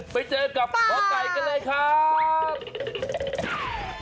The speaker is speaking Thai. ไปเจอกับหมอไก่กันเลยครับ